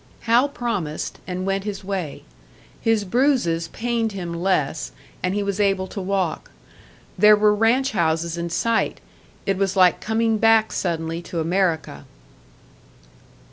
Hal promised, and went his way. His bruises pained him less, and he was able to walk. There were ranch houses in sight it was like coming back suddenly to America!